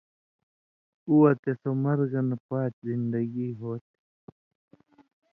اُو وتے سو (مرگہ نہ پاتیۡ زِندگی) ہو تھی